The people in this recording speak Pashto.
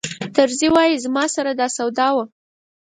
طرزي وایي زما سره دا سودا وه.